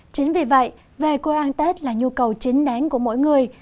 chính vì vậy về quê ăn tết là nhu cầu chính nén của mỗi người